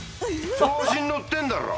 調子に乗ってんだろ？